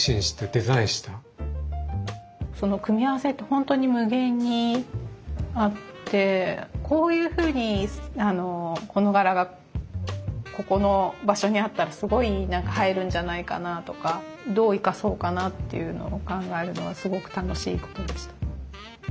縦糸横糸にこういうふうにこの柄がここの場所にあったらすごい映えるんじゃないかなとかどう生かそうかなっていうのを考えるのはすごく楽しいことでした。